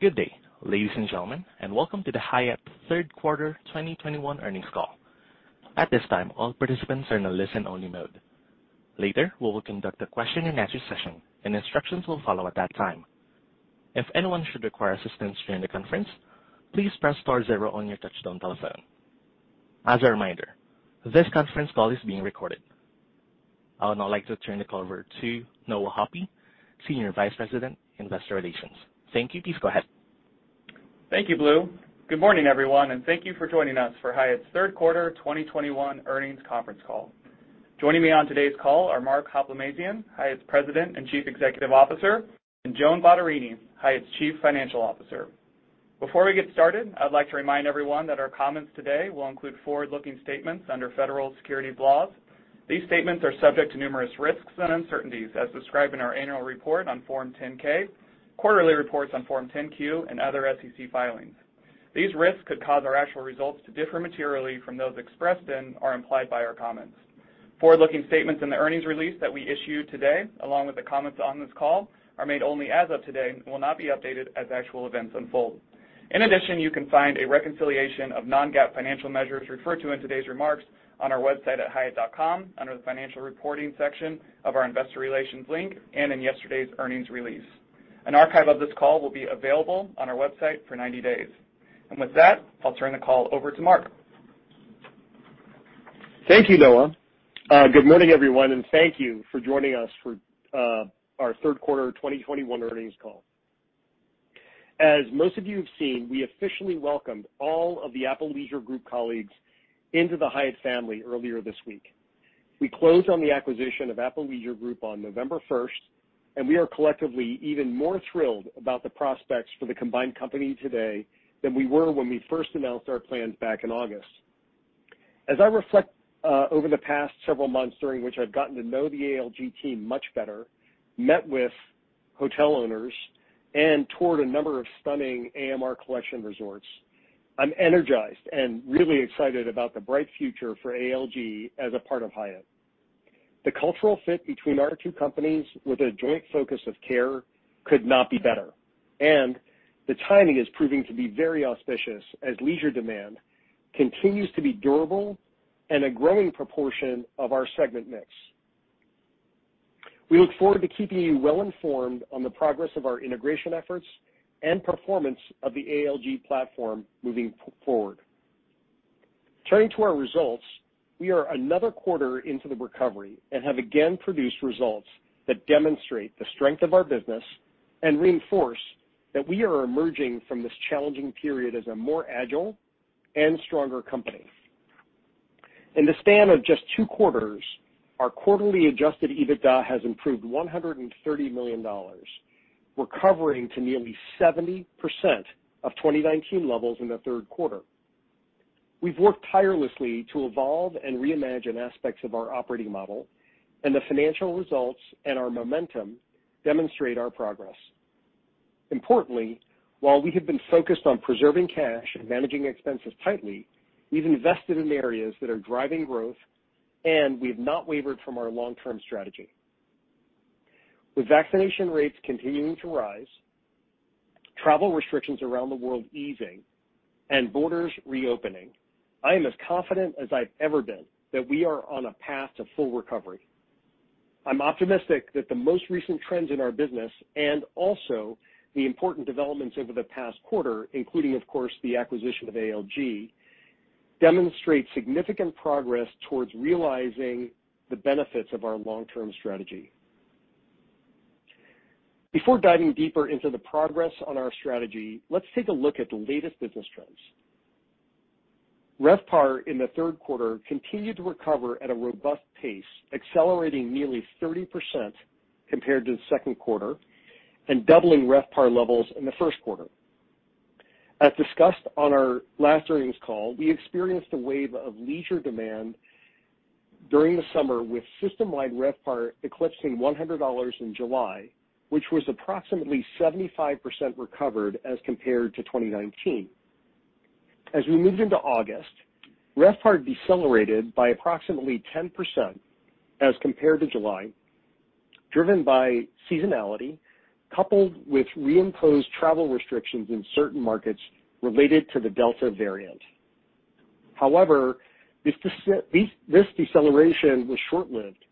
Good day, ladies and gentlemen, and welcome to the Hyatt third quarter 2021 earnings call. At this time, all participants are in a listen-only mode. Later, we will conduct a question and answer session, and instructions will follow at that time. If anyone should require assistance during the conference, please press star zero on your touchtone telephone. As a reminder, this conference call is being recorded. I would now like to turn the call over to Noah Hoppe, Senior Vice President, Investor Relations. Thank you. Please go ahead. Thank you, Blue. Good morning, everyone, and thank you for joining us for Hyatt's third quarter 2021 earnings conference call. Joining me on today's call are Mark Hoplamazian, Hyatt's President and Chief Executive Officer, and Joan Bottarini, Hyatt's Chief Financial Officer. Before we get started, I'd like to remind everyone that our comments today will include forward-looking statements under federal securities laws. These statements are subject to numerous risks and uncertainties as described in our annual report on Form 10-K, quarterly reports on Form 10-Q, and other SEC filings. These risks could cause our actual results to differ materially from those expressed in or implied by our comments. Forward-looking statements in the earnings release that we issue today, along with the comments on this call, are made only as of today and will not be updated as actual events unfold. In addition, you can find a reconciliation of non-GAAP financial measures referred to in today's remarks on our website at hyatt.com under the Financial Reporting section of our investor relations link and in yesterday's earnings release. An archive of this call will be available on our website for 90 days. With that, I'll turn the call over to Mark. Thank you, Noah. Good morning, everyone, and thank you for joining us for our third quarter 2021 earnings call. As most of you have seen, we officially welcomed all of the Apple Leisure Group colleagues into the Hyatt family earlier this week. We closed on the acquisition of Apple Leisure Group on November 1st, and we are collectively even more thrilled about the prospects for the combined company today than we were when we first announced our plans back in August. As I reflect over the past several months during which I've gotten to know the ALG team much better, met with hotel owners, and toured a number of stunning AMR Collection resorts, I'm energized and really excited about the bright future for ALG as a part of Hyatt. The cultural fit between our two companies with a joint focus of care could not be better, and the timing is proving to be very auspicious as leisure demand continues to be durable and a growing proportion of our segment mix. We look forward to keeping you well informed on the progress of our integration efforts and performance of the ALG platform moving forward. Turning to our results, we are another quarter into the recovery and have again produced results that demonstrate the strength of our business and reinforce that we are emerging from this challenging period as a more agile and stronger company. In the span of just two quarters, our quarterly adjusted EBITDA has improved $130 million, recovering to nearly 70% of 2019 levels in the third quarter. We've worked tirelessly to evolve and reimagine aspects of our operating model, and the financial results and our momentum demonstrate our progress. Importantly, while we have been focused on preserving cash and managing expenses tightly, we've invested in areas that are driving growth, and we have not wavered from our long-term strategy. With vaccination rates continuing to rise, travel restrictions around the world easing, and borders reopening, I am as confident as I've ever been that we are on a path to full recovery. I'm optimistic that the most recent trends in our business and also the important developments over the past quarter, including of course the acquisition of ALG, demonstrate significant progress towards realizing the benefits of our long-term strategy. Before diving deeper into the progress on our strategy, let's take a look at the latest business trends. RevPAR in the third quarter continued to recover at a robust pace, accelerating nearly 30% compared to the second quarter and doubling RevPAR levels in the first quarter. As discussed on our last earnings call, we experienced a wave of leisure demand during the summer with system-wide RevPAR eclipsing $100 in July, which was approximately 75% recovered as compared to 2019. As we moved into August, RevPAR decelerated by approximately 10% as compared to July, driven by seasonality coupled with reimposed travel restrictions in certain markets related to the Delta variant. However, this deceleration was short-lived.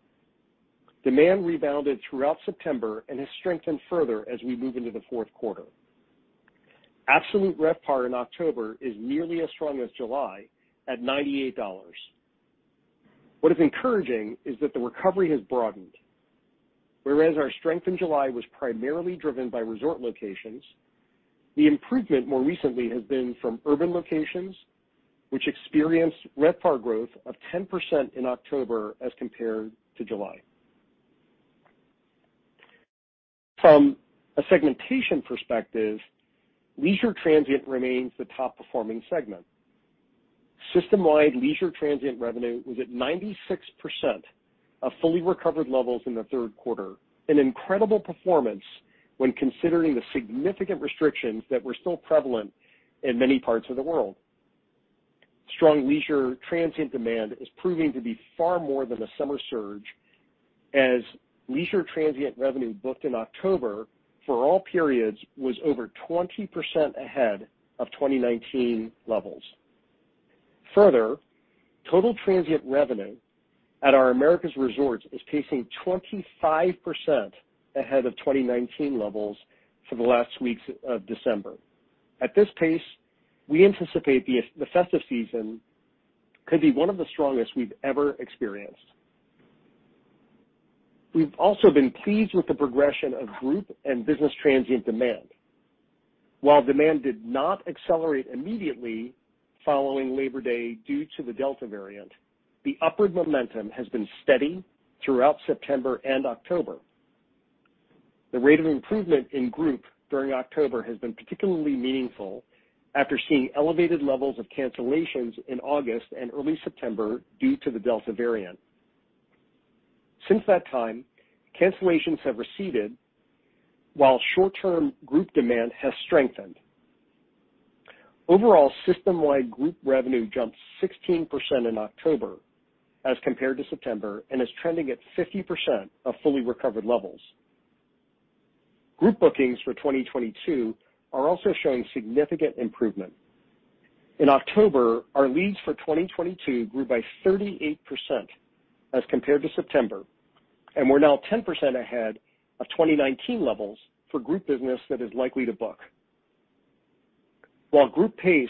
Demand rebounded throughout September and has strengthened further as we move into the fourth quarter. Absolute RevPAR in October is nearly as strong as July at $98. What is encouraging is that the recovery has broadened. Whereas our strength in July was primarily driven by resort locations, the improvement more recently has been from urban locations, which experienced RevPAR growth of 10% in October as compared to July. From a segmentation perspective, leisure transient remains the top performing segment. System-wide leisure transient revenue was at 96% of fully recovered levels in the third quarter, an incredible performance when considering the significant restrictions that were still prevalent in many parts of the world. Strong leisure transient demand is proving to be far more than a summer surge, as leisure transient revenue booked in October for all periods was over 20% ahead of 2019 levels. Further, total transient revenue at our Americas Resorts is pacing 25% ahead of 2019 levels for the last weeks of December. At this pace, we anticipate the festive season could be one of the strongest we've ever experienced. We've also been pleased with the progression of group and business transient demand. While demand did not accelerate immediately following Labor Day due to the Delta variant, the upward momentum has been steady throughout September and October. The rate of improvement in group during October has been particularly meaningful after seeing elevated levels of cancellations in August and early September due to the Delta variant. Since that time, cancellations have receded while short-term group demand has strengthened. Overall system-wide group revenue jumped 16% in October as compared to September, and is trending at 50% of fully recovered levels. Group bookings for 2022 are also showing significant improvement. In October, our leads for 2022 grew by 38% as compared to September, and we're now 10% ahead of 2019 levels for group business that is likely to book. While group pace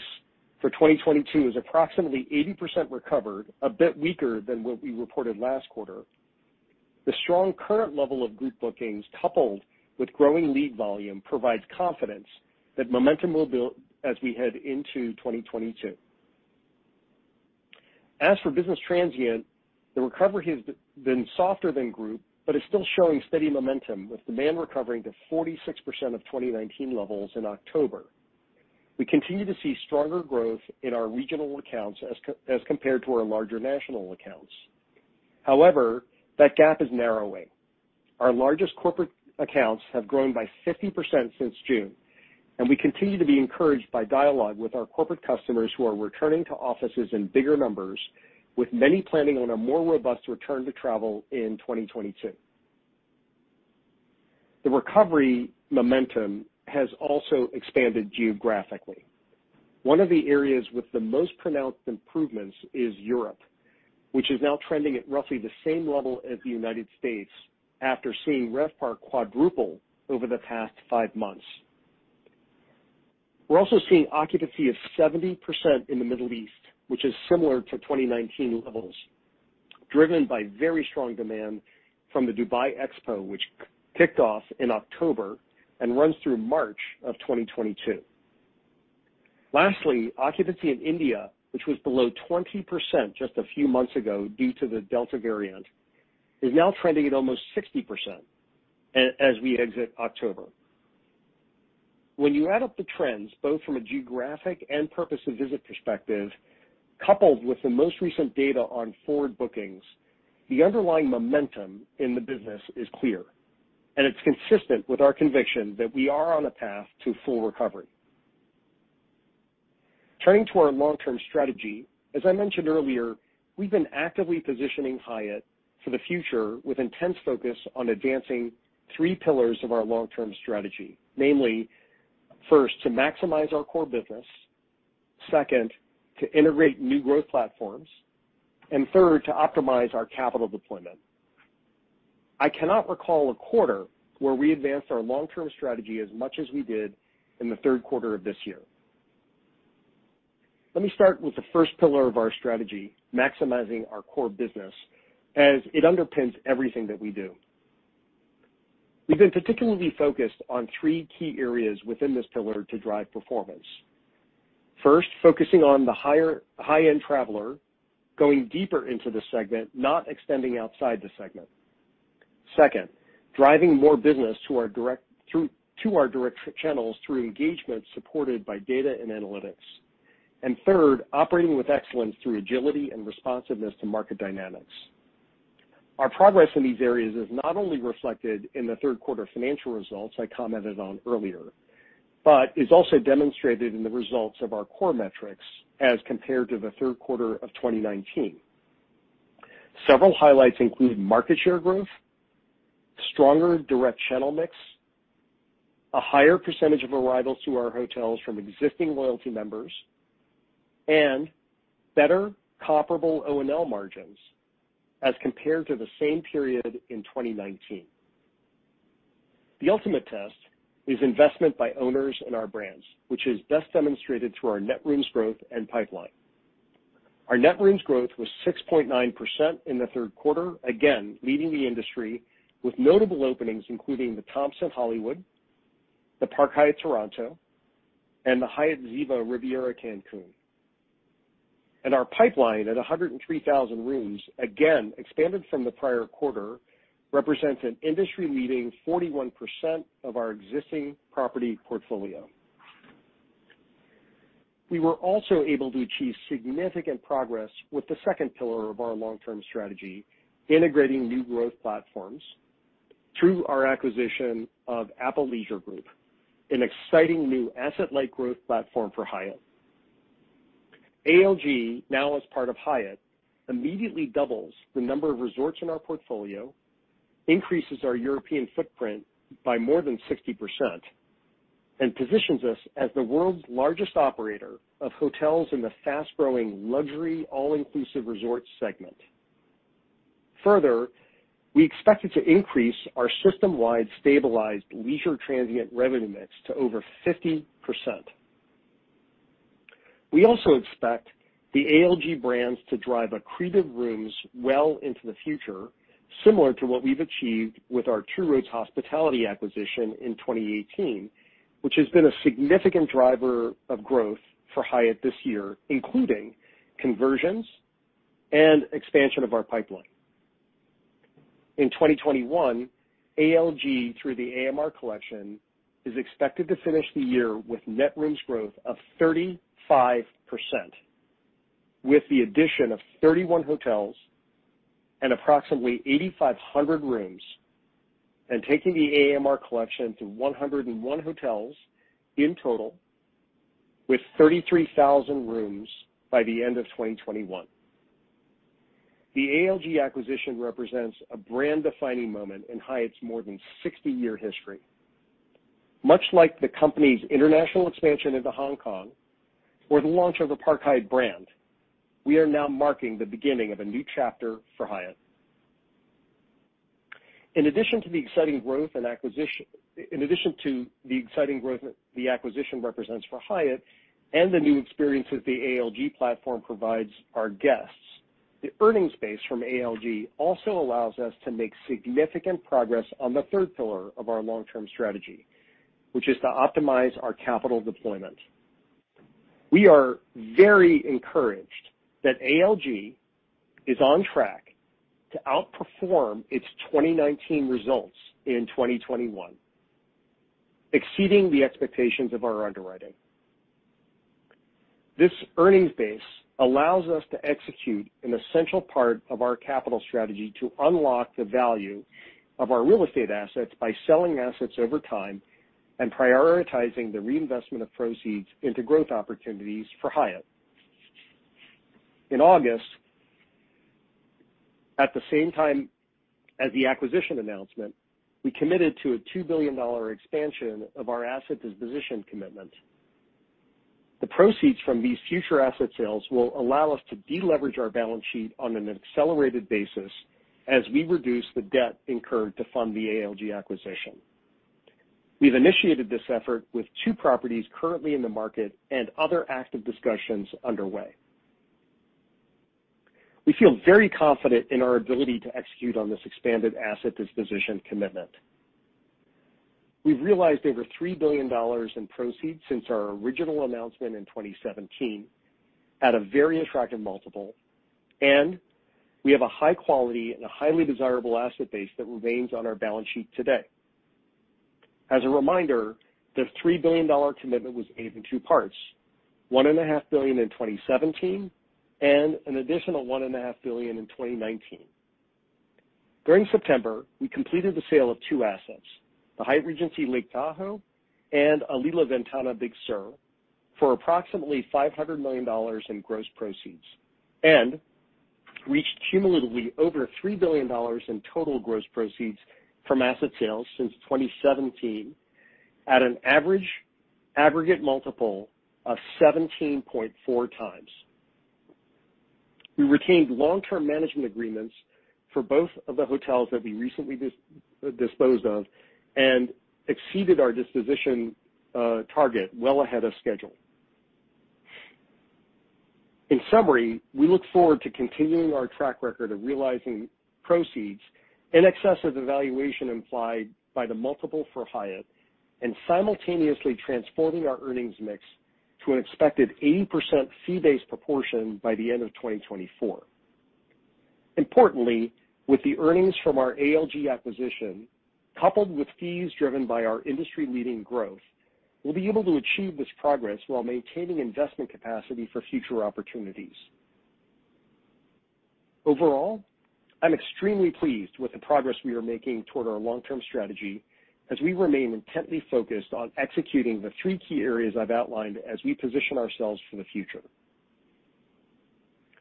for 2022 is approximately 80% recovered, a bit weaker than what we reported last quarter, the strong current level of group bookings, coupled with growing lead volume, provides confidence that momentum will build as we head into 2022. As for business transient, the recovery has been softer than group, but is still showing steady momentum with demand recovering to 46% of 2019 levels in October. We continue to see stronger growth in our regional accounts as compared to our larger national accounts. However, that gap is narrowing. Our largest corporate accounts have grown by 50% since June, and we continue to be encouraged by dialogue with our corporate customers who are returning to offices in bigger numbers, with many planning on a more robust return to travel in 2022. The recovery momentum has also expanded geographically. One of the areas with the most pronounced improvements is Europe, which is now trending at roughly the same level as the United States after seeing RevPAR quadruple over the past 5 months. We're also seeing occupancy of 70% in the Middle East, which is similar to 2019 levels, driven by very strong demand from the Dubai Expo, which kicked off in October and runs through March of 2022. Lastly, occupancy in India, which was below 20% just a few months ago due to the Delta variant, is now trending at almost 60% as we exit October. When you add up the trends, both from a geographic and purpose of visit perspective, coupled with the most recent data on forward bookings, the underlying momentum in the business is clear, and it's consistent with our conviction that we are on a path to full recovery. Turning to our long-term strategy, as I mentioned earlier, we've been actively positioning Hyatt for the future with intense focus on advancing three pillars of our long-term strategy. Namely first, to maximize our core business, second, to integrate new growth platforms, and third, to optimize our capital deployment. I cannot recall a quarter where we advanced our long-term strategy as much as we did in the third quarter of this year. Let me start with the first pillar of our strategy, maximizing our core business, as it underpins everything that we do. We've been particularly focused on three key areas within this pillar to drive performance. First, focusing on the high-end traveler, going deeper into the segment, not extending outside the segment. Second, driving more business to our direct channels through engagement supported by data and analytics. Third, operating with excellence through agility and responsiveness to market dynamics. Our progress in these areas is not only reflected in the third quarter financial results I commented on earlier, but is also demonstrated in the results of our core metrics as compared to the third quarter of 2019. Several highlights include market share growth, stronger direct channel mix, a higher percentage of arrivals to our hotels from existing loyalty members, and better comparable O&L margins as compared to the same period in 2019. The ultimate test is investment by owners in our brands, which is best demonstrated through our net rooms growth and pipeline. Our net rooms growth was 6.9% in the third quarter, again leading the industry with notable openings, including the Thompson Hollywood, the Park Hyatt Toronto, and the Hyatt Ziva Riviera Cancun. Our pipeline at 103,000 rooms, again expanded from the prior quarter, represents an industry-leading 41% of our existing property portfolio. We were also able to achieve significant progress with the second pillar of our long-term strategy, integrating new growth platforms. Through our acquisition of Apple Leisure Group, an exciting new asset-light growth platform for Hyatt. ALG, now as part of Hyatt, immediately doubles the number of resorts in our portfolio, increases our European footprint by more than 60%, and positions us as the world's largest operator of hotels in the fast-growing luxury all-inclusive resort segment. Further, we expected to increase our system-wide stabilized leisure transient revenue mix to over 50%. We also expect the ALG brands to drive accretive rooms well into the future, similar to what we've achieved with our Two Roads Hospitality acquisition in 2018, which has been a significant driver of growth for Hyatt this year, including conversions and expansion of our pipeline. In 2021, ALG, through the AMR Collection, is expected to finish the year with net rooms growth of 35% with the addition of 31 hotels and approximately 8,500 rooms, and taking the AMR Collection to 101 hotels in total with 33,000 rooms by the end of 2021. The ALG acquisition represents a brand-defining moment in Hyatt's more than 60-year history. Much like the company's international expansion into Hong Kong or the launch of the Park Hyatt brand, we are now marking the beginning of a new chapter for Hyatt. In addition to the exciting growth the acquisition represents for Hyatt and the new experiences the ALG platform provides our guests, the earnings base from ALG also allows us to make significant progress on the third pillar of our long-term strategy, which is to optimize our capital deployment. We are very encouraged that ALG is on track to outperform its 2019 results in 2021, exceeding the expectations of our underwriting. This earnings base allows us to execute an essential part of our capital strategy to unlock the value of our real estate assets by selling assets over time and prioritizing the reinvestment of proceeds into growth opportunities for Hyatt. In August, at the same time as the acquisition announcement, we committed to a $2 billion expansion of our asset disposition commitment. The proceeds from these future asset sales will allow us to deleverage our balance sheet on an accelerated basis as we reduce the debt incurred to fund the ALG acquisition. We've initiated this effort with two properties currently in the market and other active discussions underway. We feel very confident in our ability to execute on this expanded asset disposition commitment. We've realized over $3 billion in proceeds since our original announcement in 2017 at a very attractive multiple, and we have a high quality and a highly desirable asset base that remains on our balance sheet today. As a reminder, the $3 billion commitment was paid in two parts, $1.5 billion in 2017 and an additional $1.5 billion in 2019. During September, we completed the sale of two assets, the Hyatt Regency Lake Tahoe and Alila Ventana Big Sur, for approximately $500 million in gross proceeds and reached cumulatively over $3 billion in total gross proceeds from asset sales since 2017 at an average aggregate multiple of 17.4x. We retained long-term management agreements for both of the hotels that we recently disposed of and exceeded our disposition target well ahead of schedule. In summary, we look forward to continuing our track record of realizing proceeds in excess of the valuation implied by the multiple for Hyatt and simultaneously transforming our earnings mix to an expected 80% fee-based proportion by the end of 2024. Importantly, with the earnings from our ALG acquisition, coupled with fees driven by our industry-leading growth, we'll be able to achieve this progress while maintaining investment capacity for future opportunities. Overall, I'm extremely pleased with the progress we are making toward our long-term strategy as we remain intently focused on executing the three key areas I've outlined as we position ourselves for the future.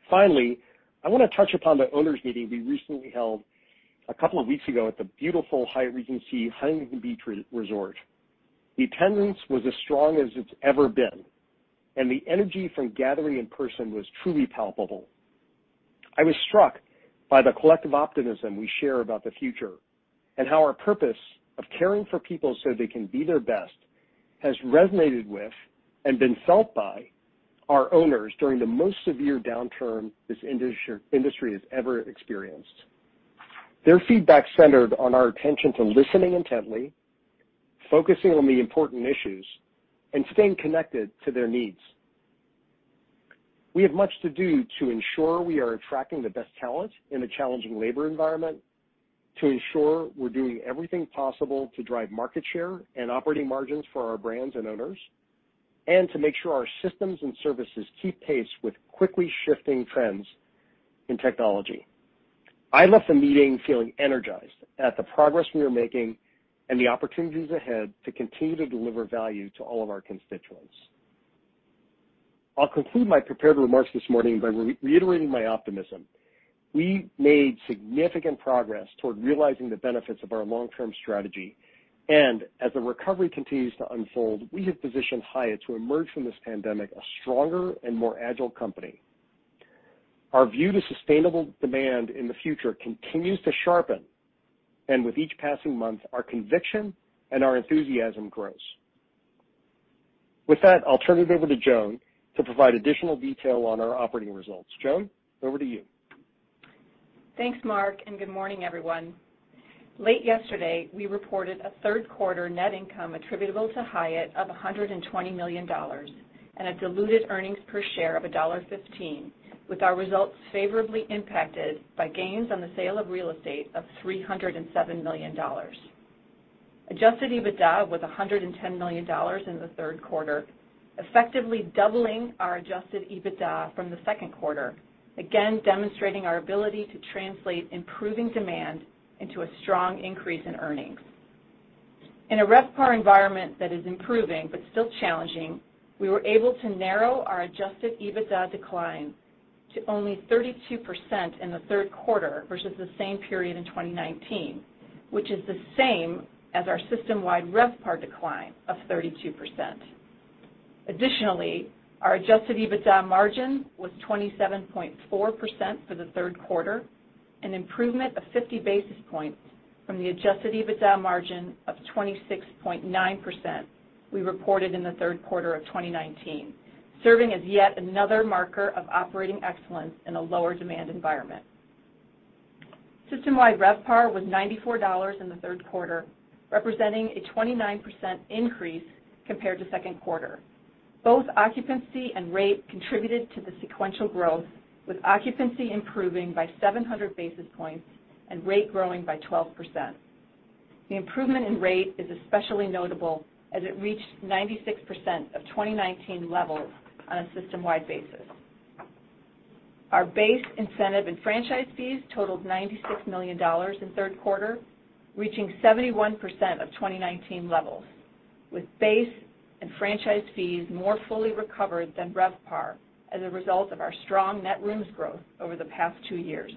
Finally, I want to touch upon the owners meeting we recently held a couple of weeks ago at the beautiful Hyatt Regency Huntington Beach Resort and Spa. Attendance was as strong as it's ever been, and the energy from gathering in person was truly palpable. I was struck by the collective optimism we share about the future and how our purpose of caring for people so they can be their best has resonated with and been felt by our owners during the most severe downturn this industry has ever experienced. Their feedback centered on our attention to listening intently, focusing on the important issues, and staying connected to their needs. We have much to do to ensure we are attracting the best talent in a challenging labor environment, to ensure we're doing everything possible to drive market share and operating margins for our brands and owners. To make sure our systems and services keep pace with quickly shifting trends in technology. I left the meeting feeling energized at the progress we are making and the opportunities ahead to continue to deliver value to all of our constituents. I'll conclude my prepared remarks this morning by reiterating my optimism. We made significant progress toward realizing the benefits of our long-term strategy. As the recovery continues to unfold, we have positioned Hyatt to emerge from this pandemic a stronger and more agile company. Our view to sustainable demand in the future continues to sharpen, and with each passing month, our conviction and our enthusiasm grows. With that, I'll turn it over to Joan to provide additional detail on our operating results. Joan, over to you. Thanks, Mark, and good morning, everyone. Late yesterday, we reported a third quarter net income attributable to Hyatt of $120 million and a diluted earnings per share of $1.15, with our results favorably impacted by gains on the sale of real estate of $307 million. Adjusted EBITDA was $110 million in the third quarter, effectively doubling our adjusted EBITDA from the second quarter, again demonstrating our ability to translate improving demand into a strong increase in earnings. In a RevPAR environment that is improving but still challenging, we were able to narrow our adjusted EBITDA decline to only 32% in the third quarter versus the same period in 2019, which is the same as our system-wide RevPAR decline of 32%. Additionally, our adjusted EBITDA margin was 27.4% for the third quarter, an improvement of 50 basis points from the adjusted EBITDA margin of 26.9% we reported in the third quarter of 2019, serving as yet another marker of operating excellence in a lower demand environment. System-wide RevPAR was $94 in the third quarter, representing a 29% increase compared to second quarter. Both occupancy and rate contributed to the sequential growth, with occupancy improving by 700 basis points and rate growing by 12%. The improvement in rate is especially notable as it reached 96% of 2019 levels on a system-wide basis. Our base incentive and franchise fees totaled $96 million in third quarter, reaching 71% of 2019 levels, with base and franchise fees more fully recovered than RevPAR as a result of our strong net rooms growth over the past two years.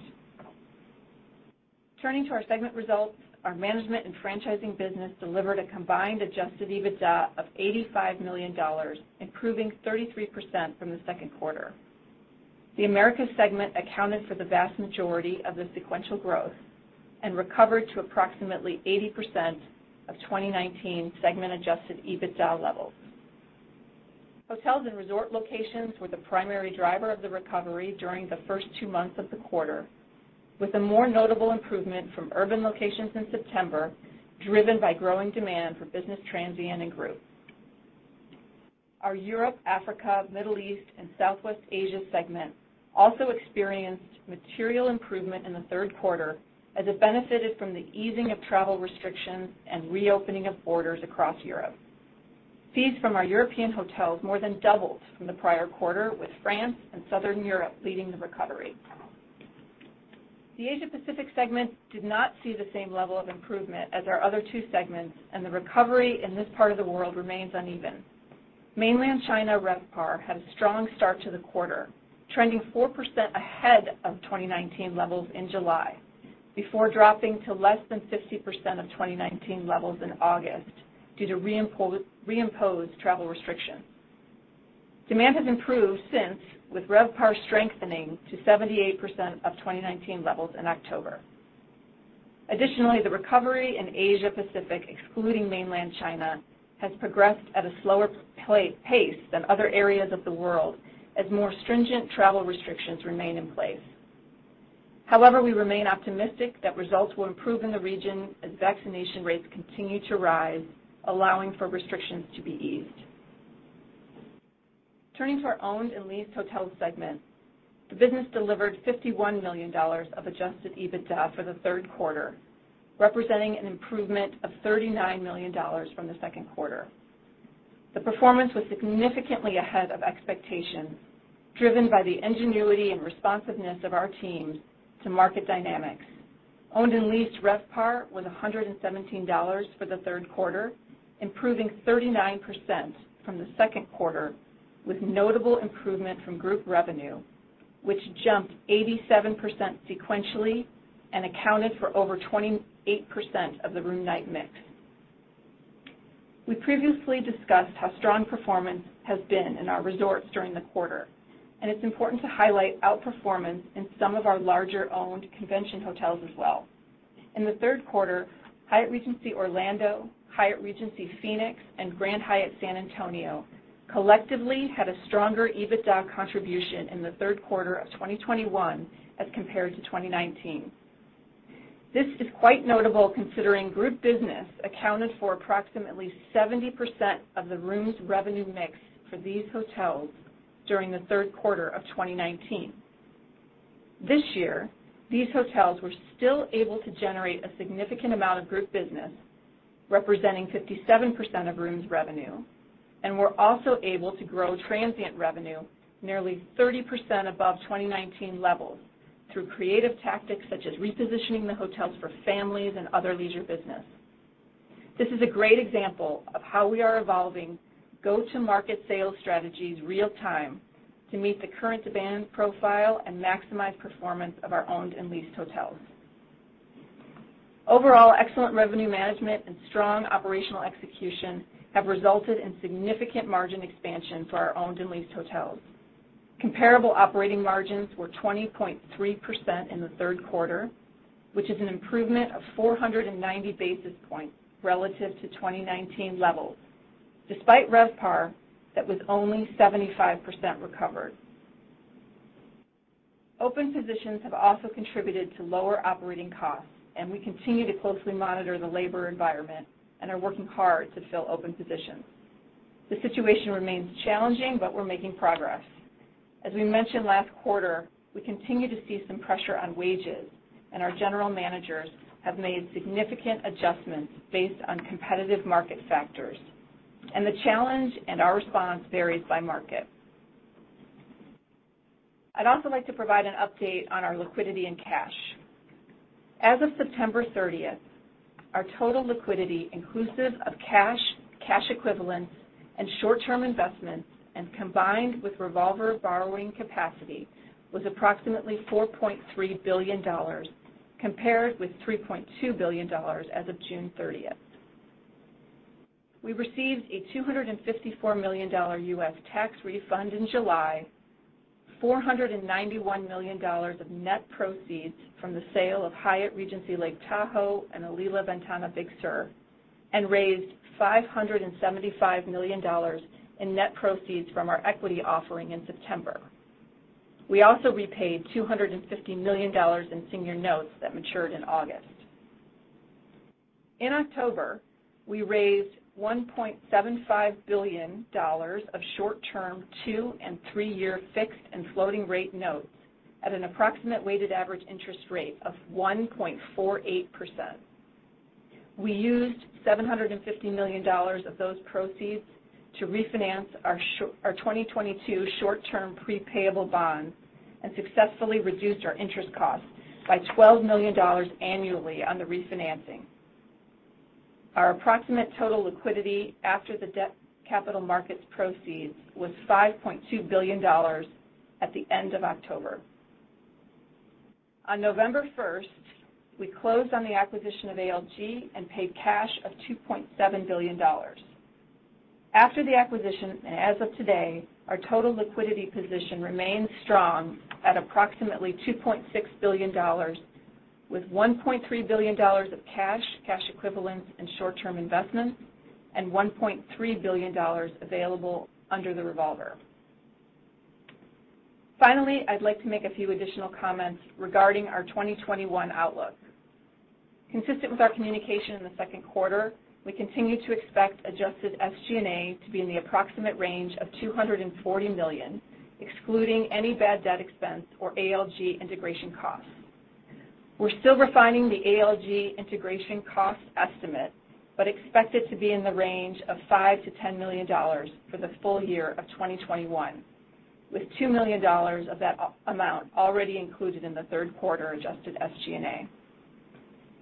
Turning to our segment results, our management and franchising business delivered a combined adjusted EBITDA of $85 million, improving 33% from the second quarter. The Americas segment accounted for the vast majority of the sequential growth and recovered to approximately 80% of 2019 segment adjusted EBITDA levels. Hotels and resort locations were the primary driver of the recovery during the first two months of the quarter, with a more notable improvement from urban locations in September, driven by growing demand for business transient and group. Our Europe, Africa, Middle East, and Southwest Asia segment also experienced material improvement in the third quarter as it benefited from the easing of travel restrictions and reopening of borders across Europe. Fees from our European hotels more than doubled from the prior quarter, with France and Southern Europe leading the recovery. The Asia Pacific segment did not see the same level of improvement as our other two segments, and the recovery in this part of the world remains uneven. Mainland China RevPAR had a strong start to the quarter, trending 4% ahead of 2019 levels in July before dropping to less than 50% of 2019 levels in August due to reimposed travel restrictions. Demand has improved since, with RevPAR strengthening to 78% of 2019 levels in October. Additionally, the recovery in Asia Pacific, excluding Mainland China, has progressed at a slower pace than other areas of the world as more stringent travel restrictions remain in place. However, we remain optimistic that results will improve in the region as vaccination rates continue to rise, allowing for restrictions to be eased. Turning to our owned and leased hotel segment, the business delivered $51 million of adjusted EBITDA for the third quarter, representing an improvement of $39 million from the second quarter. The performance was significantly ahead of expectations, driven by the ingenuity and responsiveness of our teams to market dynamics. Owned and leased RevPAR was $117 for the third quarter, improving 39% from the second quarter, with notable improvement from group revenue, which jumped 87% sequentially and accounted for over 28% of the room night mix. We previously discussed how strong performance has been in our resorts during the quarter, and it's important to highlight outperformance in some of our larger owned convention hotels as well. In the third quarter, Hyatt Regency Orlando, Hyatt Regency Phoenix, and Grand Hyatt San Antonio collectively had a stronger EBITDA contribution in the third quarter of 2021 as compared to 2019. This is quite notable considering group business accounted for approximately 70% of the rooms revenue mix for these hotels during the third quarter of 2019. This year, these hotels were still able to generate a significant amount of group business, representing 57% of rooms revenue, and were also able to grow transient revenue nearly 30% above 2019 levels through creative tactics such as repositioning the hotels for families and other leisure business. This is a great example of how we are evolving go-to-market sales strategies real time to meet the current demand profile and maximize performance of our owned and leased hotels. Overall, excellent revenue management and strong operational execution have resulted in significant margin expansion for our owned and leased hotels. Comparable operating margins were 20.3% in the third quarter, which is an improvement of 490 basis points relative to 2019 levels, despite RevPAR that was only 75% recovered. Open positions have also contributed to lower operating costs, and we continue to closely monitor the labor environment and are working hard to fill open positions. The situation remains challenging, but we're making progress. As we mentioned last quarter, we continue to see some pressure on wages, and our general managers have made significant adjustments based on competitive market factors, and the challenge and our response varies by market. I'd also like to provide an update on our liquidity and cash. As of September 30, our total liquidity, inclusive of cash equivalents, and short-term investments, and combined with revolver borrowing capacity, was approximately $4.3 billion, compared with $3.2 billion as of June 30. We received a $254 million U.S. tax refund in July, $491 million of net proceeds from the sale of Hyatt Regency Lake Tahoe and Alila Ventana Big Sur, and raised $575 million in net proceeds from our equity offering in September. We also repaid $250 million in senior notes that matured in August. In October, we raised $1.75 billion of short-term two- and three-year fixed and floating rate notes at an approximate weighted average interest rate of 1.48%. We used $750 million of those proceeds to refinance our 2022 short-term pre-payable bonds and successfully reduced our interest costs by $12 million annually on the refinancing. Our approximate total liquidity after the debt capital markets proceeds was $5.2 billion at the end of October. On November 1st, we closed on the acquisition of ALG and paid cash of $2.7 billion. After the acquisition, and as of today, our total liquidity position remains strong at approximately $2.6 billion, with $1.3 billion of cash equivalents, and short-term investments, and $1.3 billion available under the revolver. Finally, I'd like to make a few additional comments regarding our 2021 outlook. Consistent with our communication in the second quarter, we continue to expect adjusted SG&A to be in the approximate range of $240 million, excluding any bad debt expense or ALG integration costs. We're still refining the ALG integration cost estimate, but expect it to be in the range of $5 million-$10 million for the full year of 2021, with $2 million of that amount already included in the third quarter adjusted SG&A.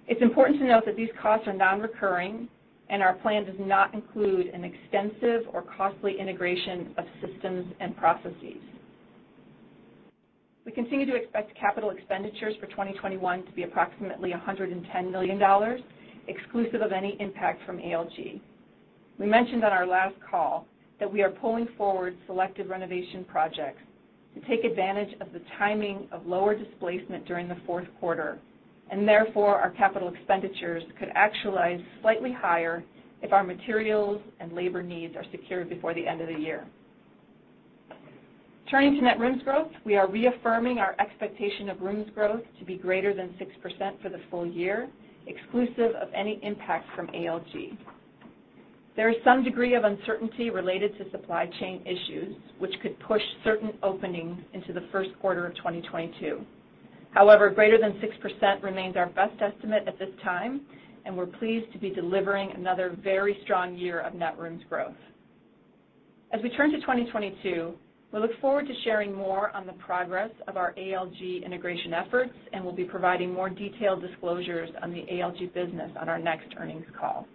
It's important to note that these costs are non-recurring, and our plan does not include an extensive or costly integration of systems and processes. We continue to expect capital expenditures for 2021 to be approximately $110 million, exclusive of any impact from ALG. We mentioned on our last call that we are pulling forward selected renovation projects to take advantage of the timing of lower displacement during the fourth quarter, and therefore our capital expenditures could actualize slightly higher if our materials and labor needs are secured before the end of the year. Turning to net rooms growth, we are reaffirming our expectation of rooms growth to be greater than 6% for the full year, exclusive of any impact from ALG. There is some degree of uncertainty related to supply chain issues, which could push certain openings into the first quarter of 2022. However, greater than 6% remains our best estimate at this time, and we're pleased to be delivering another very strong year of net rooms growth. As we turn to 2022, we look forward to sharing more on the progress of our ALG integration efforts, and we'll be providing more detailed disclosures on the ALG business on our next earnings call.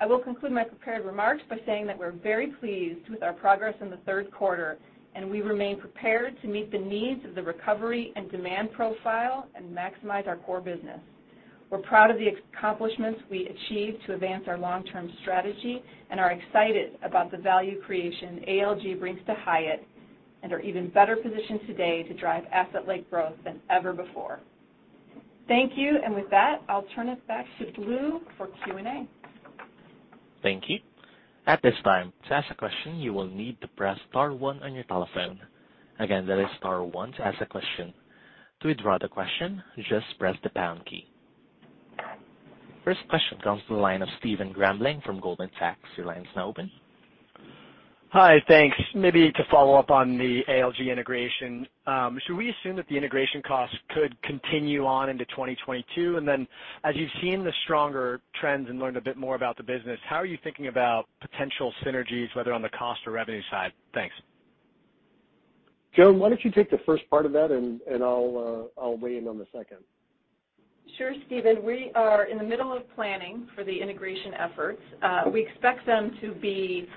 I will conclude my prepared remarks by saying that we're very pleased with our progress in the third quarter, and we remain prepared to meet the needs of the recovery and demand profile and maximize our core business. We're proud of the accomplishments we achieved to advance our long-term strategy and are excited about the value creation ALG brings to Hyatt and are even better positioned today to drive asset-light growth than ever before. Thank you, and with that, I'll turn it back to Blue for Q&A. Thank you. At this time, to ask a question, you will need to press star one on your telephone. Again, that is star one to ask a question. To withdraw the question, just press the pound key. First question comes from the line of Stephen Grambling from Goldman Sachs. Your line is now open. Hi. Thanks. Maybe to follow up on the ALG integration, should we assume that the integration costs could continue on into 2022? Then as you've seen the stronger trends and learned a bit more about the business, how are you thinking about potential synergies, whether on the cost or revenue side? Thanks. Joan, why don't you take the first part of that, and I'll weigh in on the second. Sure, Stephen. We are in the middle of planning for the integration efforts. We expect them to be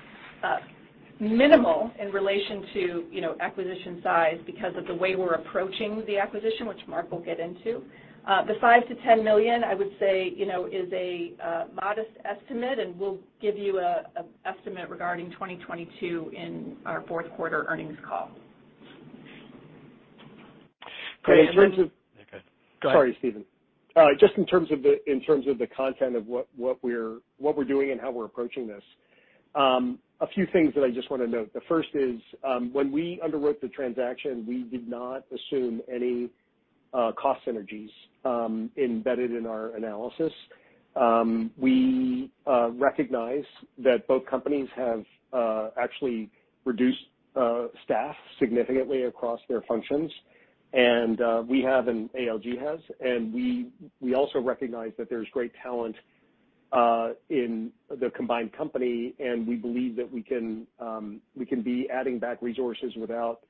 minimal in relation to, you know, acquisition size because of the way we're approaching the acquisition, which Mark will get into. The $5 million-$10 million, I would say, you know, is a modest estimate, and we'll give you an estimate regarding 2022 in our fourth quarter earnings call. In terms of. Great. Okay. Go ahead. Sorry, Stephen. Just in terms of the content of what we're doing and how we're approaching this, a few things that I just wanna note. The first is, when we underwrote the transaction, we did not assume any cost synergies embedded in our analysis. We recognize that both companies have actually reduced staff significantly across their functions, and we have and ALG has. We also recognize that there's great talent in the combined company, and we believe that we can be adding back resources without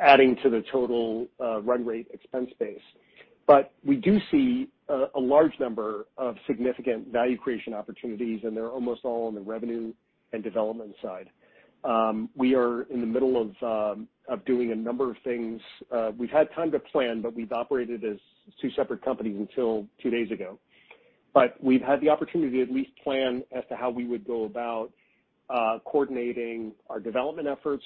adding to the total run rate expense base. We do see a large number of significant value creation opportunities, and they're almost all on the revenue and development side. We are in the middle of doing a number of things. We've had time to plan, but we've operated as two separate companies until two days ago. We've had the opportunity to at least plan as to how we would go about coordinating our development efforts,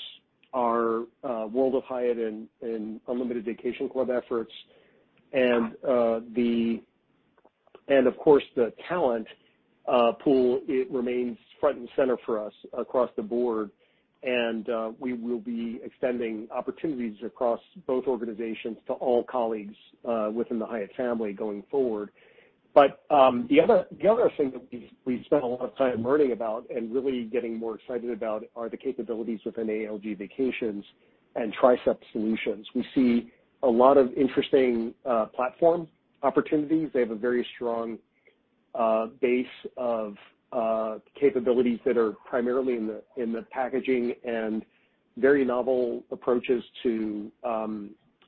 our World of Hyatt and Unlimited Vacation Club efforts. Of course the talent pool remains front and center for us across the board. We will be extending opportunities across both organizations to all colleagues within the Hyatt family going forward. The other thing that we've spent a lot of time learning about and really getting more excited about are the capabilities within ALG Vacations and Trisept Solutions. We see a lot of interesting platform opportunities. They have a very strong base of capabilities that are primarily in the packaging and very novel approaches to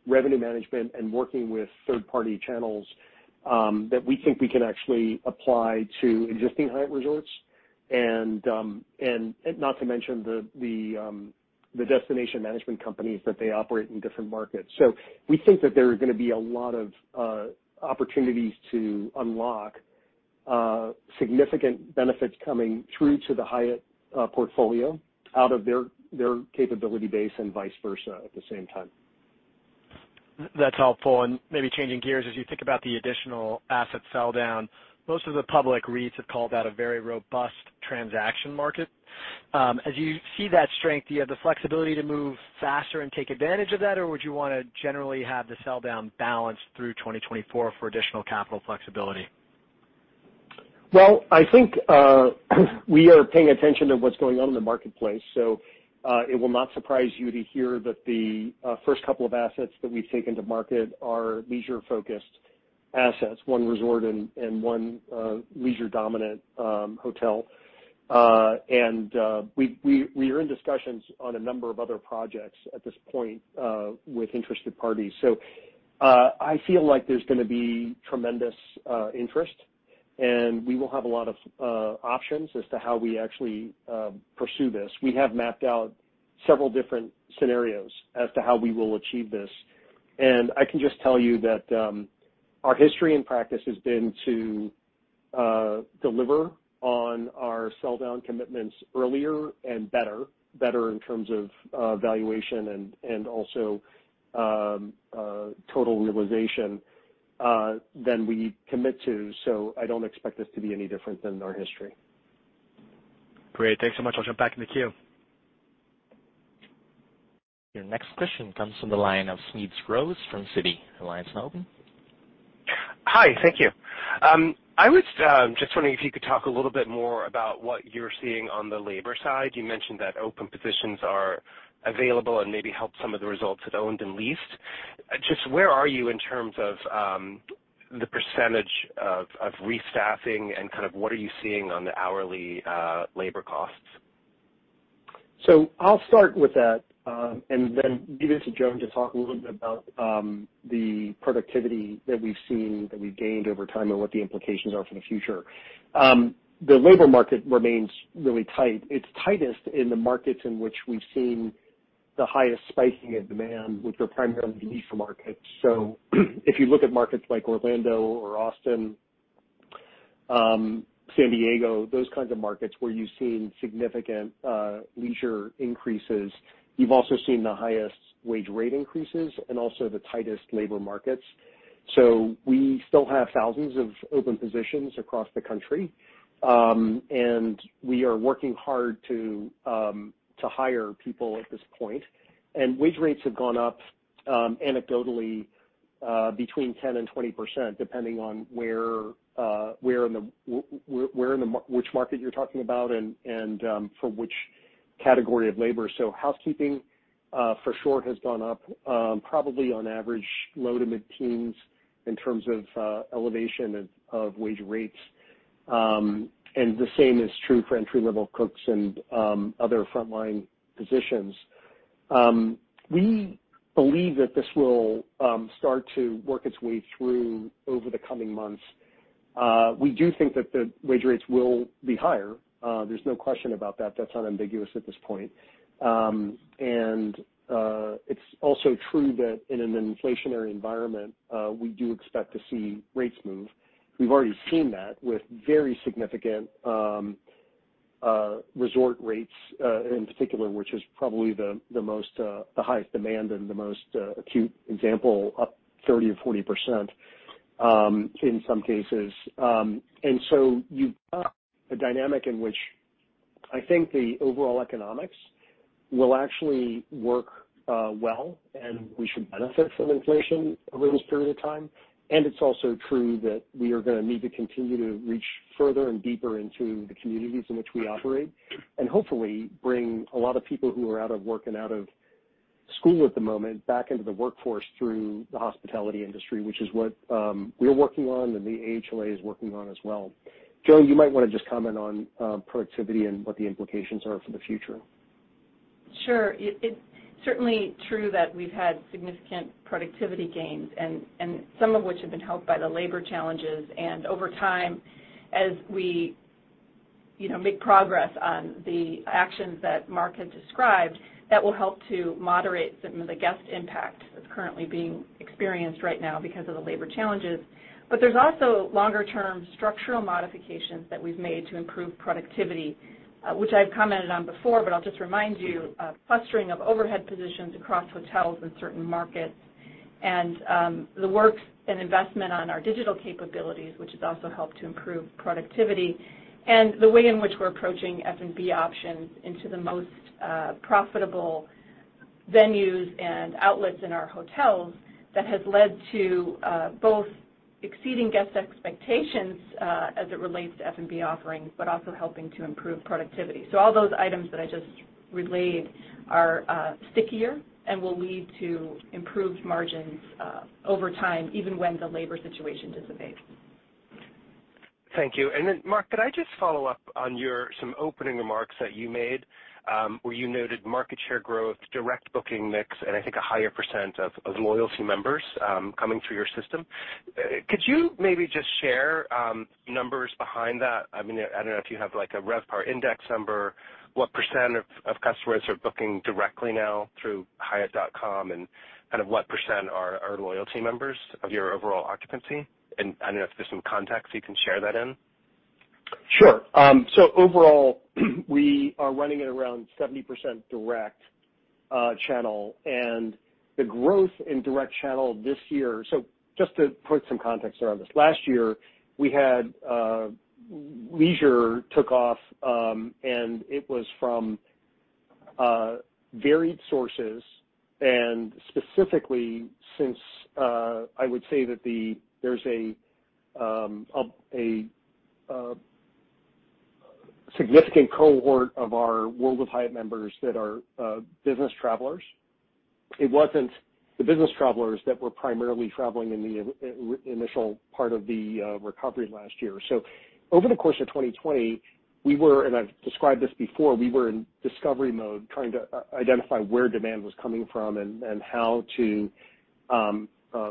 revenue management and working with third-party channels that we think we can actually apply to existing Hyatt resorts and not to mention the destination management companies that they operate in different markets. We think that there are gonna be a lot of opportunities to unlock significant benefits coming through to the Hyatt portfolio out of their capability base and vice versa at the same time. That's helpful. Maybe changing gears, as you think about the additional asset sell down, most of the public REITs have called out a very robust transaction market. As you see that strength, do you have the flexibility to move faster and take advantage of that, or would you wanna generally have the sell down balanced through 2024 for additional capital flexibility? Well, I think we are paying attention to what's going on in the marketplace. It will not surprise you to hear that the first couple of assets that we've taken to market are leisure-focused assets, one resort and one leisure-dominant hotel. We are in discussions on a number of other projects at this point with interested parties. I feel like there's gonna be tremendous interest, and we will have a lot of options as to how we actually pursue this. We have mapped out several different scenarios as to how we will achieve this. I can just tell you that our history and practice has been to deliver on our sell down commitments earlier and better in terms of valuation and also total realization than we commit to. I don't expect this to be any different than our history. Great. Thanks so much. I'll jump back in the queue. Your next question comes from the line of Smedes Rose from Citi. Your line is now open. Hi. Thank you. I was just wondering if you could talk a little bit more about what you're seeing on the labor side. You mentioned that open positions are available and maybe helped some of the results at owned and leased. Just where are you in terms of the percentage of restaffing and kind of what are you seeing on the hourly labor costs? I'll start with that, and then give it to Joan to talk a little bit about the productivity that we've seen, that we've gained over time and what the implications are for the future. The labor market remains really tight. It's tightest in the markets in which we've seen the highest spiking of demand, which are primarily the leisure markets. If you look at markets like Orlando or Austin, San Diego, those kinds of markets where you've seen significant leisure increases, you've also seen the highest wage rate increases and also the tightest labor markets. We still have thousands of open positions across the country, and we are working hard to hire people at this point. Wage rates have gone up anecdotally between 10%-20%, depending on where in the market you're talking about and for which category of labor. Housekeeping for sure has gone up probably on average low- to mid-teens in terms of elevation of wage rates. The same is true for entry-level cooks and other frontline positions. We believe that this will start to work its way through over the coming months. We do think that the wage rates will be higher. There's no question about that. That's unambiguous at this point. It's also true that in an inflationary environment we do expect to see rates move. We've already seen that with very significant resort rates in particular, which is probably the highest demand and the most acute example, up 30% or 40% in some cases. You've got a dynamic in which I think the overall economics will actually work well, and we should benefit from inflation over this period of time. It's also true that we are gonna need to continue to reach further and deeper into the communities in which we operate and hopefully bring a lot of people who are out of work and out of school at the moment back into the workforce through the hospitality industry, which is what we're working on and the AHLA is working on as well. Joan, you might wanna just comment on productivity and what the implications are for the future. Sure. It's certainly true that we've had significant productivity gains and some of which have been helped by the labor challenges. Over time, as we, you know, make progress on the actions that Mark has described, that will help to moderate some of the guest impact that's currently being experienced right now because of the labor challenges. There's also longer term structural modifications that we've made to improve productivity, which I've commented on before, but I'll just remind you, clustering of overhead positions across hotels in certain markets and the work and investment on our digital capabilities, which has also helped to improve productivity and the way in which we're approaching F&B options into the most profitable venues and outlets in our hotels that has led to both exceeding guest expectations as it relates to F&B offerings, but also helping to improve productivity. All those items that I just relayed are stickier and will lead to improved margins over time, even when the labor situation dissipates. Thank you. Mark, could I just follow up on some of your opening remarks that you made, where you noted market share growth, direct booking mix, and I think a higher percent of loyalty members coming through your system. Could you maybe just share numbers behind that? I mean, I don't know if you have like a RevPAR index number, what percent of customers are booking directly now through hyatt.com and kind of what percent are loyalty members of your overall occupancy? I don't know if there's some context you can share that in. Sure. Overall, we are running at around 70% direct channel and the growth in direct channel this year. Just to put some context around this. Last year, we had leisure took off, and it was from varied sources, and specifically, I would say that there's a significant cohort of our World of Hyatt members that are business travelers. It wasn't the business travelers that were primarily traveling in the initial part of the recovery last year. Over the course of 2020, we were, and I've described this before, we were in discovery mode trying to identify where demand was coming from and how to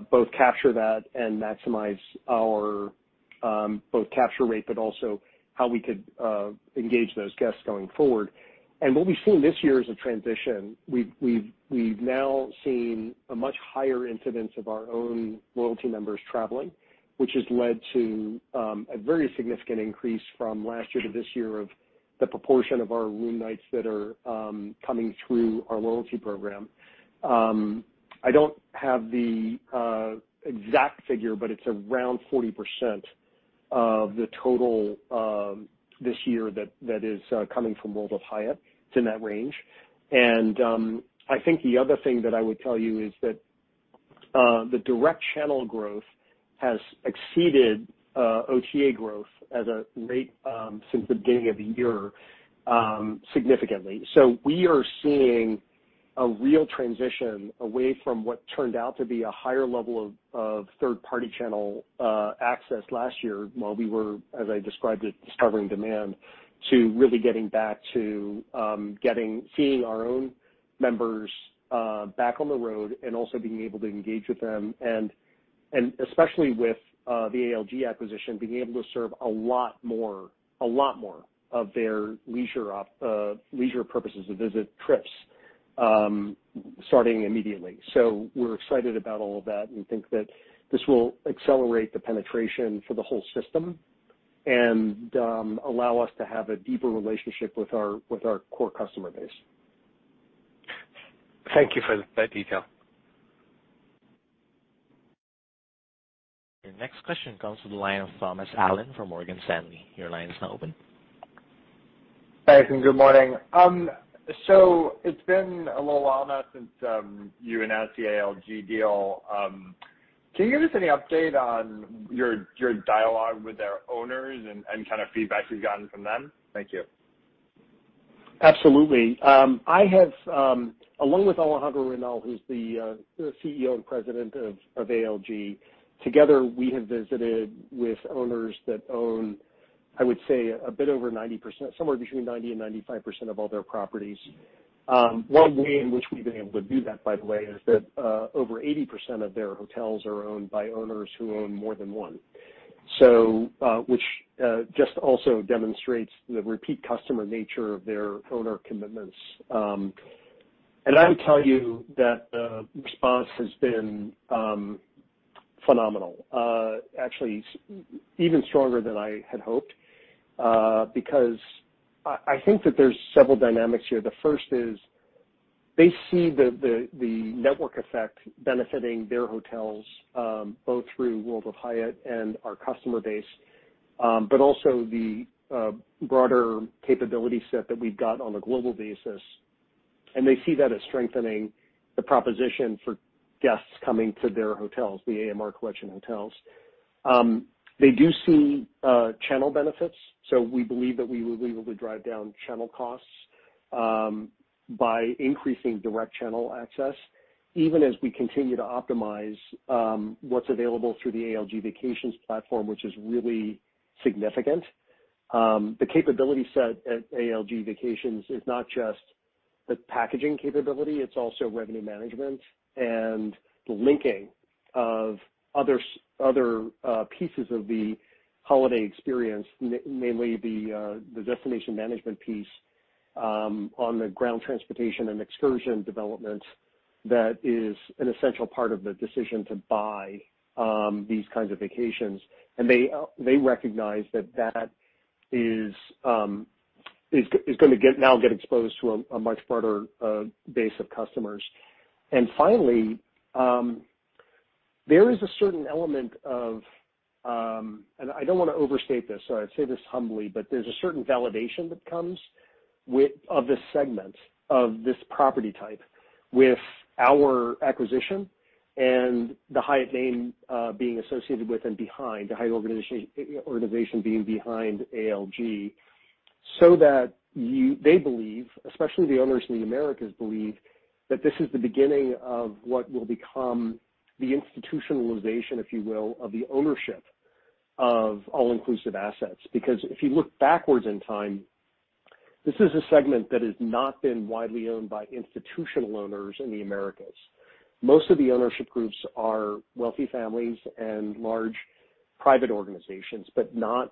both capture that and maximize our both capture rate, but also how we could engage those guests going forward. What we've seen this year is a transition. We've now seen a much higher incidence of our own loyalty members traveling, which has led to a very significant increase from last year to this year of the proportion of our room nights that are coming through our loyalty program. I don't have the exact figure, but it's around 40% of the total this year that is coming from World of Hyatt. It's in that range. I think the other thing that I would tell you is that the direct channel growth has exceeded OTA growth as a rate since the beginning of the year significantly. We are seeing a real transition away from what turned out to be a higher level of third-party channel access last year while we were, as I described it, discovering demand to really getting back to seeing our own members back on the road and also being able to engage with them and especially with the ALG acquisition, being able to serve a lot more of their leisure purposes to visit trips starting immediately. We're excited about all of that and think that this will accelerate the penetration for the whole system and allow us to have a deeper relationship with our core customer base. Thank you for that detail. Your next question comes from the line of Thomas Allen from Morgan Stanley. Your line is now open. Thanks and good morning. It's been a little while now since you announced the ALG deal. Can you give us any update on your dialogue with their owners and kind of feedback you've gotten from them? Thank you. Absolutely. I have, along with Alejandro Reynal, who's the CEO and President of ALG, together, we have visited with owners that own, I would say, a bit over 90%, somewhere between 90%-95% of all their properties. One way in which we've been able to do that, by the way, is that over 80% of their hotels are owned by owners who own more than one. Which just also demonstrates the repeat customer nature of their owner commitments. I would tell you that the response has been phenomenal. Actually even stronger than I had hoped, because I think that there's several dynamics here. The first is they see the network effect benefiting their hotels, both through World of Hyatt and our customer base, but also the broader capability set that we've got on a global basis. They see that as strengthening the proposition for guests coming to their hotels, the AMR Collection hotels. They do see channel benefits, so we believe that we will be able to drive down channel costs, by increasing direct channel access, even as we continue to optimize, what's available through the ALG Vacations platform, which is really significant. The capability set at ALG Vacations is not just the packaging capability. It's also revenue management and the linking of other pieces of the holiday experience, mainly the destination management piece, on the ground transportation and excursion development that is an essential part of the decision to buy these kinds of vacations. They recognize that is gonna get now exposed to a much broader base of customers. Finally, there is a certain element of. I don't wanna overstate this, so I say this humbly, but there's a certain validation that comes with, of this segment, of this property type, with our acquisition and the Hyatt name, being associated with and behind, the Hyatt organization being behind ALG, so that they believe, especially the owners in the Americas believe, that this is the beginning of what will become the institutionalization, if you will, of the ownership of all-inclusive assets. Because if you look backwards in time, this is a segment that has not been widely owned by institutional owners in the Americas. Most of the ownership groups are wealthy families and large private organizations, but not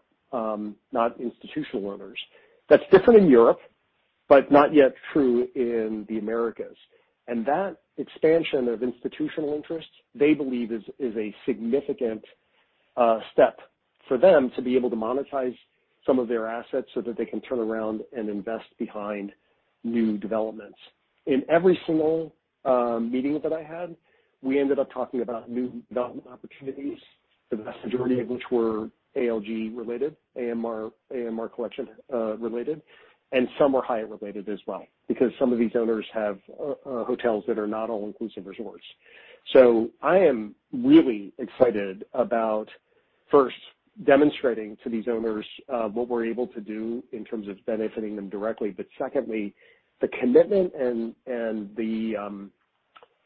institutional owners. That's different in Europe, but not yet true in the Americas. That expansion of institutional interest, they believe is a significant step for them to be able to monetize some of their assets so that they can turn around and invest behind new developments. In every single meeting that I had, we ended up talking about new development opportunities, the vast majority of which were ALG related, AMR Collection related, and some were Hyatt related as well, because some of these owners have hotels that are not all-inclusive resorts. I am really excited about, first, demonstrating to these owners what we're able to do in terms of benefiting them directly. Secondly, the commitment and the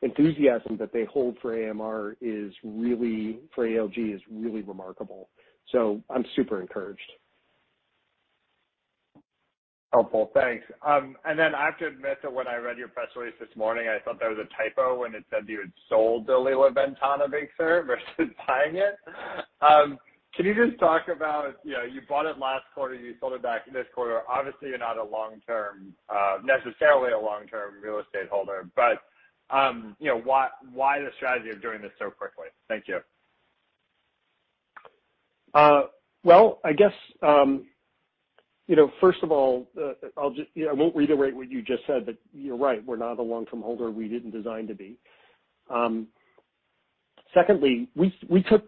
enthusiasm that they hold for AMR is really for ALG is really remarkable. I'm super encouraged. Helpful. Thanks. I have to admit that when I read your press release this morning, I thought there was a typo when it said you had sold the Alila Ventana Big Sur versus buying it. Can you just talk about, you know, you bought it last quarter, you sold it back this quarter. Obviously, you're not a long-term, necessarily a long-term real estate holder, but, you know, why the strategy of doing this so quickly? Thank you. Well, I guess, you know, first of all, you know, I won't reiterate what you just said, but you're right. We're not a long-term holder. We didn't design to be. Secondly, we took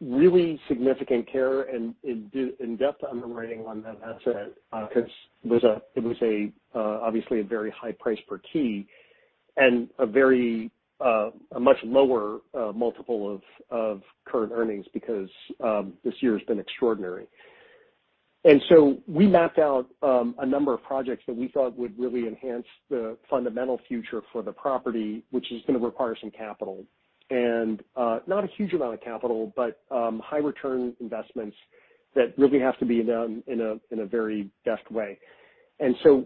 really significant care and did in-depth underwriting on that asset, 'cause it was obviously a very high price per key and a very much lower multiple of current earnings because this year has been extraordinary. We mapped out a number of projects that we thought would really enhance the fundamental future for the property, which is gonna require some capital. Not a huge amount of capital, but high return investments that really have to be done in a very deft way.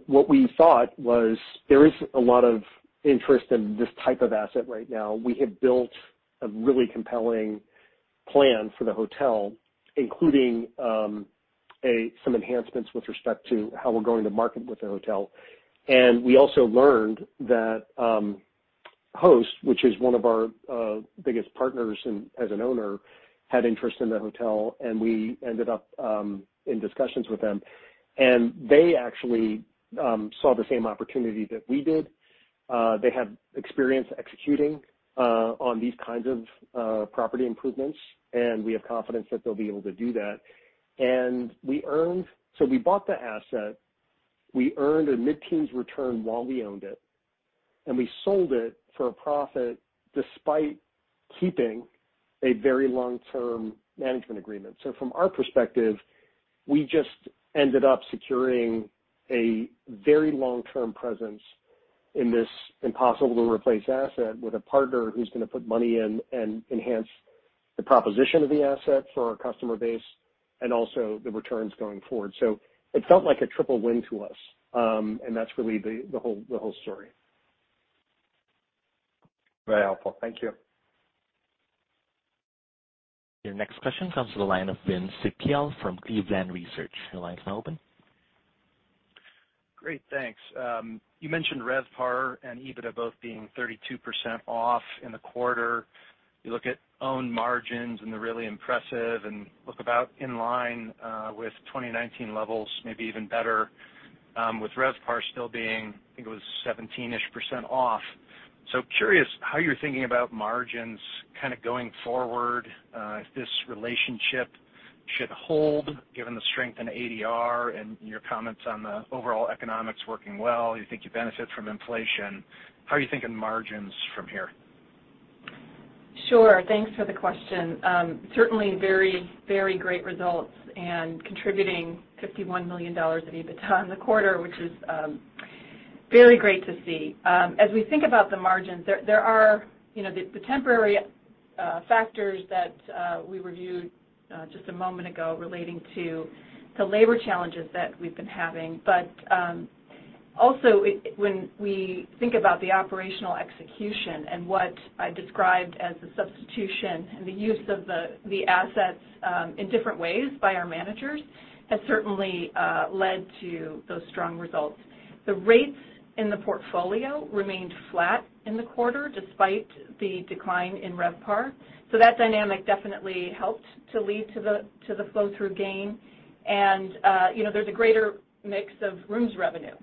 What we thought was there is a lot of interest in this type of asset right now. We have built a really compelling plan for the hotel, including some enhancements with respect to how we're going to market the hotel. We also learned that Host, which is one of our biggest partners as an owner, had interest in the hotel, and we ended up in discussions with them. They actually saw the same opportunity that we did. They have experience executing on these kinds of property improvements, and we have confidence that they'll be able to do that. We bought the asset, we earned a mid-teens return while we owned it, and we sold it for a profit despite keeping a very long-term management agreement. From our perspective, we just ended up securing a very long-term presence in this impossible to replace asset with a partner who's gonna put money in and enhance the proposition of the asset for our customer base and also the returns going forward. It felt like a triple win to us, and that's really the whole story. Very helpful. Thank you. Your next question comes from the line of Vince Ciepiel from Cleveland Research. Your line is now open. Great, thanks. You mentioned RevPAR and EBITDA both being 32% off in the quarter. You look at owned margins, and they're really impressive and look about in line with 2019 levels, maybe even better, with RevPAR still being, I think it was 17%-ish off. Curious how you're thinking about margins kind of going forward, if this relationship should hold given the strength in ADR and your comments on the overall economics working well, you think you benefit from inflation. How are you thinking margins from here? Sure. Thanks for the question. Certainly very great results and contributing $51 million of EBITDA in the quarter, which is very great to see. As we think about the margins, there are, you know, the temporary factors that we reviewed just a moment ago relating to labor challenges that we've been having. Also when we think about the operational execution and what I described as the substitution and the use of the assets in different ways by our managers has certainly led to those strong results. The rates in the portfolio remained flat in the quarter despite the decline in RevPAR. That dynamic definitely helped to lead to the flow-through gain. You know, there's a greater mix of rooms revenue.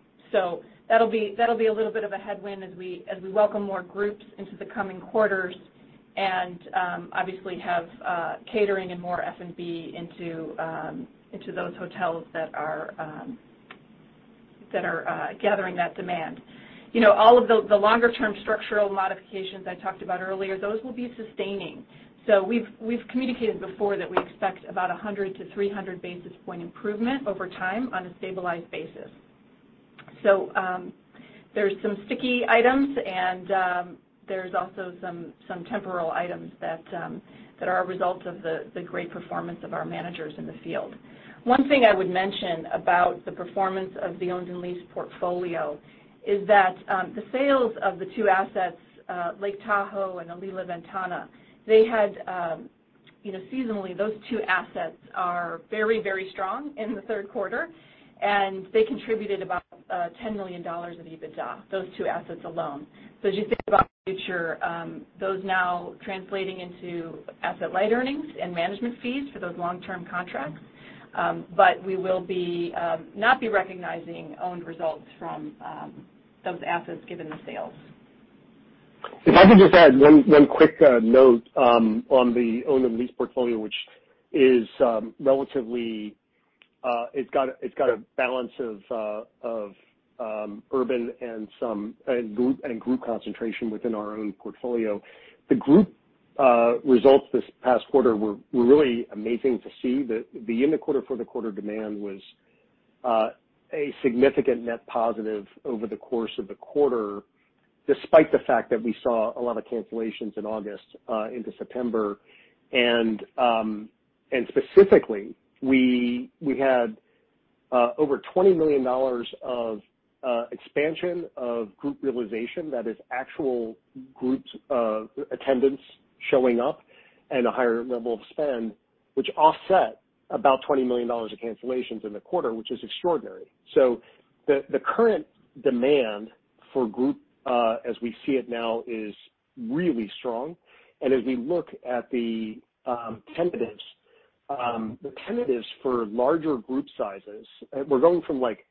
That'll be a little bit of a headwind as we welcome more groups into the coming quarters and obviously have catering and more F&B into those hotels that are gathering that demand. You know, all of the longer-term structural modifications I talked about earlier, those will be sustaining. We've communicated before that we expect about 100-300 basis points improvement over time on a stabilized basis. There's some sticky items and there's also some temporal items that are a result of the great performance of our managers in the field. One thing I would mention about the performance of the owned and leased portfolio is that, the sales of the two assets, Lake Tahoe and Alila Ventana, they had, you know, seasonally, those two assets are very, very strong in the third quarter, and they contributed about $10 million of EBITDA, those two assets alone. As you think about the future, those now translating into asset-light earnings and management fees for those long-term contracts, but we will not be recognizing owned results from those assets given the sales. If I could just add one quick note on the owned and leased portfolio, which is relatively it's got a balance of urban and some group concentration within our own portfolio. The group results this past quarter were really amazing to see. The demand in the quarter was a significant net positive over the course of the quarter, despite the fact that we saw a lot of cancellations in August into September. Specifically, we had over $20 million of expansion of group realization that is actual groups attendance showing up and a higher level of spend, which offset about $20 million of cancellations in the quarter, which is extraordinary. The current demand for group, as we see it now, is really strong. As we look at the tentatives for larger group sizes, we're going from, like,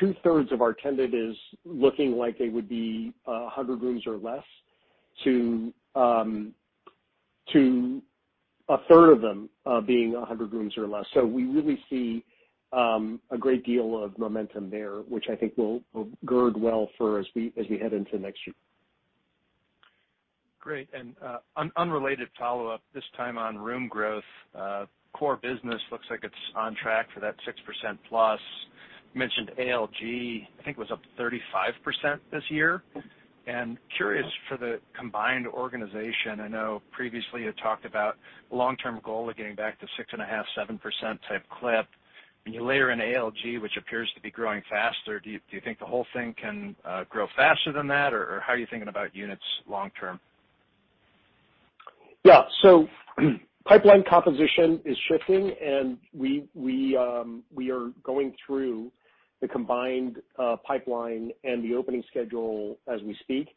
2/3 of our tentatives looking like they would be 100 rooms or less to a third of them being 100 rooms or less. We really see a great deal of momentum there, which I think will gird well for as we head into next year. Great. Unrelated follow-up, this time on room growth. Core business looks like it's on track for that 6%+. You mentioned ALG, I think was up 35% this year. Curious for the combined organization, I know previously you talked about long-term goal of getting back to 6.5%-7% type clip. When you layer in ALG, which appears to be growing faster, do you think the whole thing can grow faster than that? Or how are you thinking about units long term? Yeah. Pipeline composition is shifting, and we are going through the combined pipeline and the opening schedule as we speak.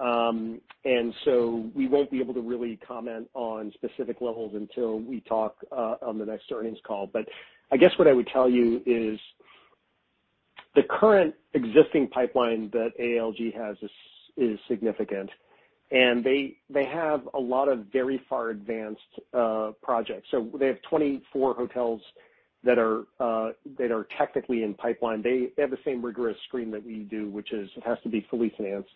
We won't be able to really comment on specific levels until we talk on the next earnings call. I guess what I would tell you is the current existing pipeline that ALG has is significant, and they have a lot of very far advanced projects. They have 24 hotels that are technically in pipeline. They have the same rigorous screen that we do, which is it has to be fully financed,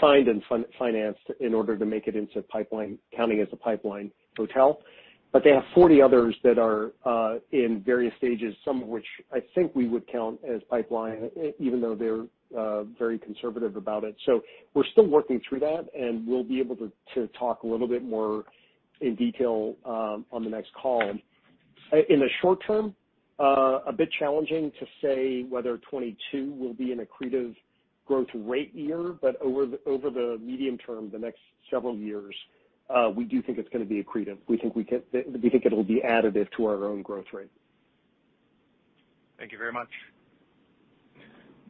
signed and financed in order to make it into pipeline, counting as a pipeline hotel. They have 40 others that are in various stages, some of which I think we would count as pipeline even though they're very conservative about it. We're still working through that, and we'll be able to talk a little bit more in detail on the next call. In the short term, a bit challenging to say whether 2022 will be an accretive growth rate year, but over the medium term, the next several years, we do think it's gonna be accretive. We think it'll be additive to our own growth rate. Thank you very much.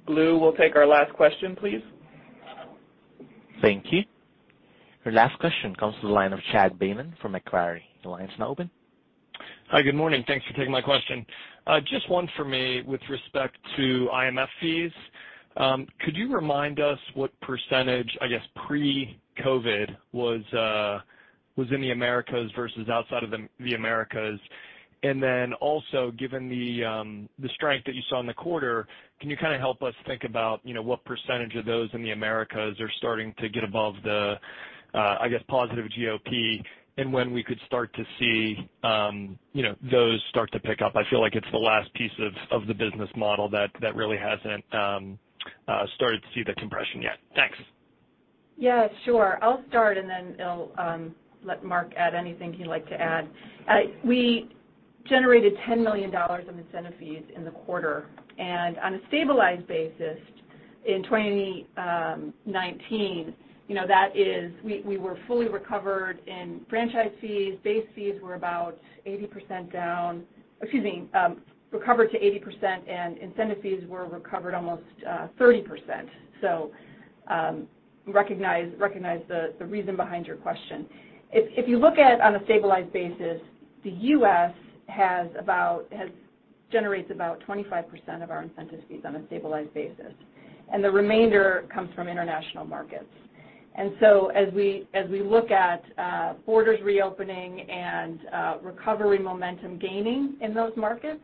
Blue, we'll take our last question, please. Thank you. Your last question comes to the line of Chad Beynon from Macquarie. The line's now open. Hi, good morning. Thanks for taking my question. Just one for me with respect to IMF fees. Could you remind us what percentage, I guess, pre-COVID was in the Americas versus outside of the Americas? Then also, given the strength that you saw in the quarter, can you kind of help us think about, you know, what percentage of those in the Americas are starting to get above the, I guess, positive GOP, and when we could start to see, you know, those start to pick up? I feel like it's the last piece of the business model that really hasn't started to see the compression yet. Thanks. Yeah, sure. I'll start, and then I'll let Mark add anything he'd like to add. We generated $10 million in incentive fees in the quarter. On a stabilized basis in 2019, you know, we were fully recovered in franchise fees. Base fees were recovered to 80%, and incentive fees were recovered almost 30%. Recognize the reason behind your question. If you look on a stabilized basis, the U.S. generates about 25% of our incentive fees on a stabilized basis, and the remainder comes from international markets. As we look at borders reopening and recovery momentum gaining in those markets,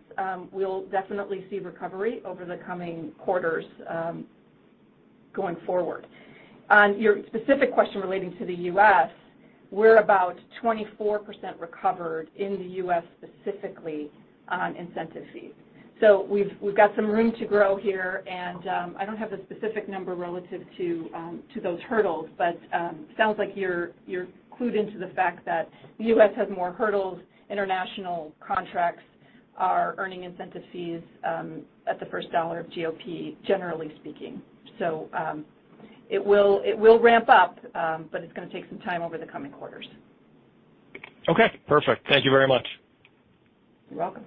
we'll definitely see recovery over the coming quarters going forward. On your specific question relating to the U.S., we're about 24% recovered in the U.S. specifically on incentive fees. We've got some room to grow here, and I don't have the specific number relative to those hurdles, but sounds like you're clued into the fact that the U.S. has more hurdles. International contracts are earning incentive fees at the first dollar of GOP, generally speaking. It will ramp up, but it's gonna take some time over the coming quarters. Okay, perfect. Thank you very much. You're welcome.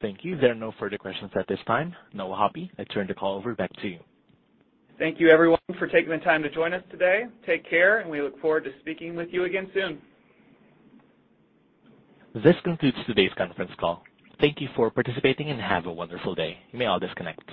Thank you. There are no further questions at this time. Noah Hoppe, I turn the call over back to you. Thank you everyone for taking the time to join us today. Take care, and we look forward to speaking with you again soon. This concludes today's conference call. Thank you for participating, and have a wonderful day. You may all disconnect.